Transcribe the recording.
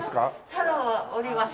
太郎はおります。